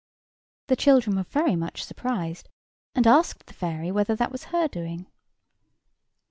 The children were very much surprised, and asked the fairy whether that was her doing.